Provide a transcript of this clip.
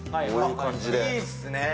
いいっすね。